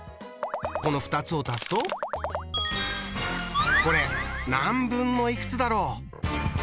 この２つを足すとこれ何分のいくつだろう？